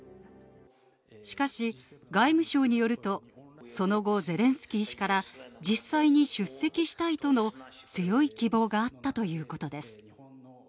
しかし、外務省によると、その後、ゼレンスキー氏から、実際に出席したいとの強い希望があったということです。